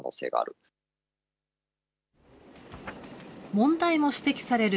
問題も指摘される